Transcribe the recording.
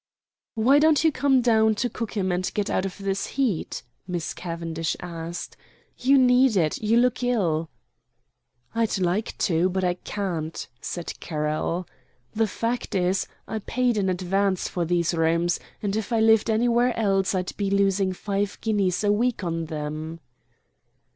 "Why don't you come down to Cookham and get out of this heat?" Miss Cavendish asked. "You need it; you look ill." "I'd like to, but I can't," said Carroll. "The fact is, I paid in advance for these rooms, and if I lived anywhere else I'd be losing five guineas a week on them."